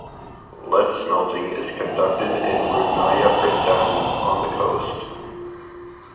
Lead smelting is conducted in Rudnaya Pristan on the coast.